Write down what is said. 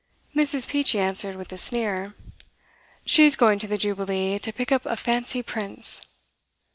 Mrs. Peachey answered with a sneer: 'She's going to the Jubilee to pick up a fancy Prince.